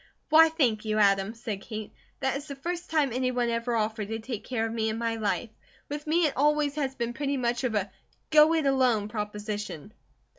"Why, thank you, Adam!" said Kate. "That is the first time any one ever offered to take care of me in my life. With me it always has been pretty much of a 'go it alone' proposition."